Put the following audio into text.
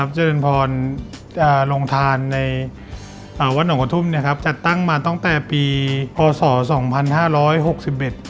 เจริญพรจะลองทานในอ่าวัดหนองกระทุ่มเนี้ยครับจัดตั้งมาตั้งแต่ปีพศสองพันห้าร้อยหกสิบเอ็ด